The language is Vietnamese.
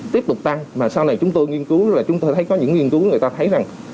tiếp tục tăng mà sau này chúng tôi nghiên cứu là chúng tôi thấy có những nghiên cứu người ta thấy rằng